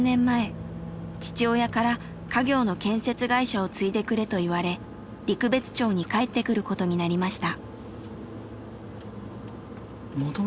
父親から家業の建設会社を継いでくれと言われ陸別町に帰ってくることになりました。